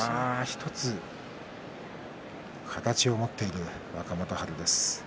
１つ形を持っている若元春です。